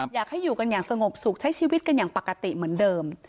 อยากให้อยู่กันอย่างสงบสุขใช้ชีวิตกันอย่างปกติเหมือนเดิม